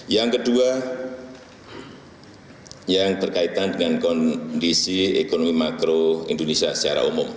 yang kedua yang berkaitan dengan kondisi ekonomi makro indonesia secara umum